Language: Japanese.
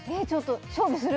勝負する？